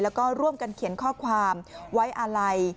แล้วก็ร่วมกันเขียนข้อความไว้อาลัย